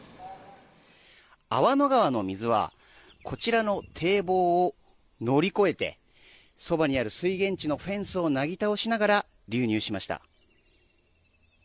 粟野川の水はこちらの堤防を乗り越えてそばにある水源地のフェンスをなぎ倒しながら流入しました。